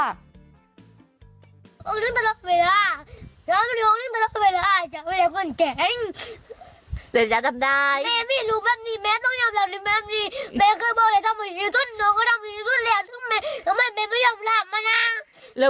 โรงเรียนตลอดเวลา